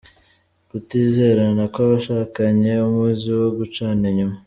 Kutizerana kw’abashakanye, umuzi wo gucana inyuma